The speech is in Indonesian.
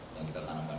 yang kita tanamkan